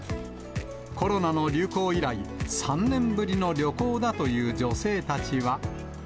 コロナの流行以来、３年ぶりの旅行だという女性たちは。